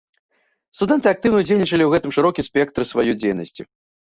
Студэнты актыўна ўдзельнічалі ў гэтым шырокім спектры сваёй дзейнасці.